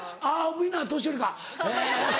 みんな年寄りか。